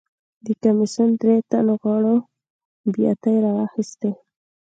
د کمېسیون درې تنو غړو بیاتۍ راواخیستې.